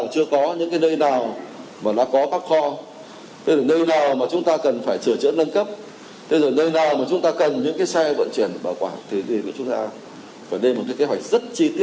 chúng ta phải theo dõi sát được